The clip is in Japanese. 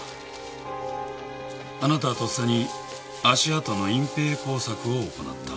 あなたはとっさに足跡の隠蔽工作を行った。